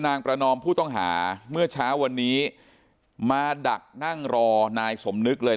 ประนอมผู้ต้องหาเมื่อเช้าวันนี้มาดักนั่งรอนายสมนึกเลย